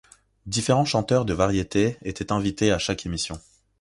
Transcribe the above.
Différents chanteurs de variétés étaient invités à chaque émission.